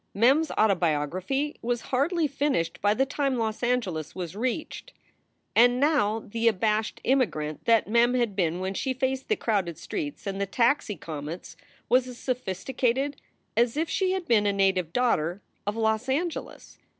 Mem s autobiography was hardly finished by the time Los Angeles was reached. And now the abashed immigrant that Mem had been when she faced the crowded streets and the taxi comets was as sophisticated as if she had been a native daughter of Los Angeles.